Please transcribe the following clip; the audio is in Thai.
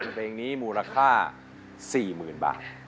เพลงนี้มูลค่า๔๐๐๐บาท